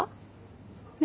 え？